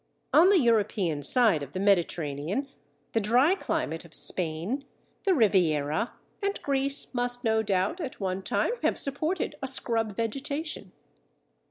On the European side of the Mediterranean, the dry climate of Spain, the Riviera, and Greece must no doubt at one time have supported a scrub vegetation.